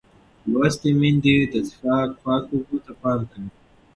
لوستې میندې د څښاک پاکو اوبو ته پام کوي.